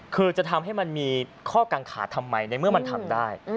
คือจะทำให้มันมีข้อกังขาทำไมในเมื่อมันทำได้